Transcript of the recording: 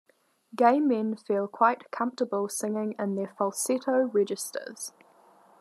Gay men feel quite comfortable singing in their falsetto registers.